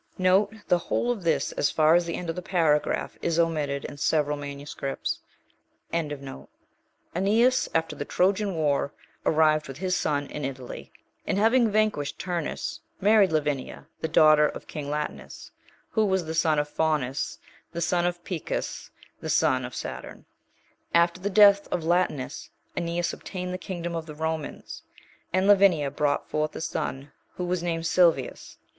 * The whole of this, as far as the end of the paragraph, is omitted in several MSS. Aeneas, after the Trojan war, arrived with his son in Italy; and Having vanquished Turnus, married Lavinia, the daughter of king Latinus, who was the son of Faunus, the son of Picus, the son of Saturn. After the death of Latinus, Aeneas obtained the kingdom Of the Romans, and Lavinia brought forth a son, who was named Silvius.